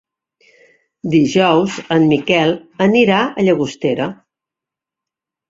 Dijous en Miquel anirà a Llagostera.